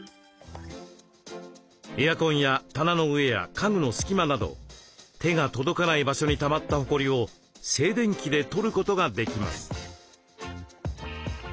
エアコンや棚の上や家具の隙間など手が届かない場所にたまったほこりを静電気で取ることができます。